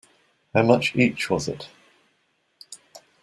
How much each was it?